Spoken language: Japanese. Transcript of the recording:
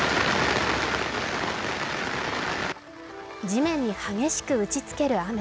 地面に激しく打ちつける雨。